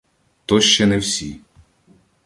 — То ще не всі.